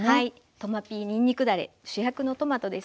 トマピーにんにくだれ主役のトマトですね。